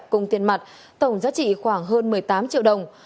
cùng tiền mặt tổng giá trị khoảng hơn một mươi tám triệu đồng